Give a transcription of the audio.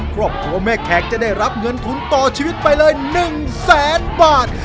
ครอบครัวแม่แขกจะได้รับเงินทุนต่อชีวิตไปเลย๑แสนบาท